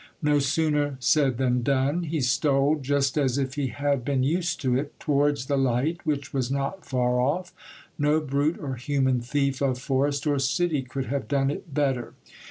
Xo sooner said than done ; he stole, just as if he had been used to it, towards the light, which was not far off ; no brute or human thief of forest or city could have done it better.